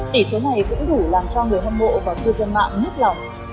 hai một tỷ số này cũng đủ làm cho người hâm mộ và cư dân mạng nức lòng